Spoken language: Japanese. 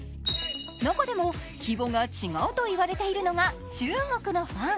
中でも規模が違うといわれているのが中国のファン。